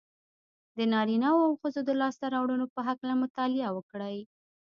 د نارينهوو او ښځو د لاسته راوړنو په هکله مطالعه وکړئ.